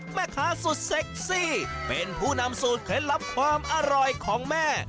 แม่ค้าสุดเซ็กซี่เป็นผู้นำสูตรเคล็ดลับความอร่อยของแม่